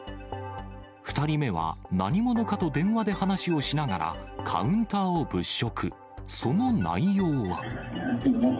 ２人目は何者かと電話で話をしながら、カウンターを物色。